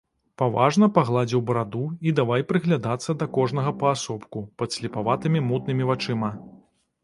Паважна пагладзіў бараду і давай прыглядацца да кожнага паасобку падслепаватымі мутнымі вачыма.